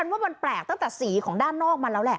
ว่ามันแปลกตั้งแต่สีของด้านนอกมาแล้วแหละ